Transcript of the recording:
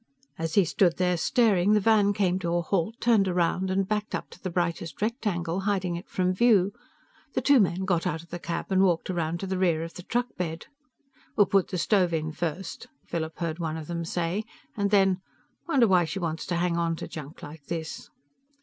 As he stood there staring, the van came to a halt, turned around and backed up to the brightest rectangle, hiding it from view. The two men got out of the cab and walked around to the rear of the truckbed. "We'll put the stove on first," Philip heard one of them say. And then, "Wonder why she wants to hang onto junk like this?"